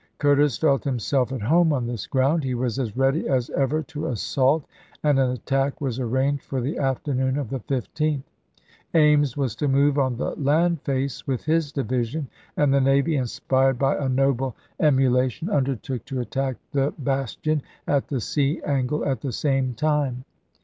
Curtis felt himself at home on this ground ; he was as ready as ever to assault, and an attack was arranged for the afternoon of Jan., 1865. the 15th. Ames was to move on the land face with his division, and the navy, inspired by a noble emulation, undertook to attack the bastion at the sea angle at the same time.